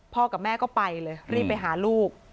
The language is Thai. กับแม่ก็ไปเลยรีบไปหาลูก